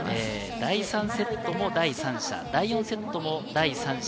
第３セットも第３射、第４セットも第３射。